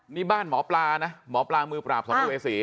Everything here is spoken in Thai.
นี่บ้านหมอปลานะหมอปลามือปราบสัมภเวษี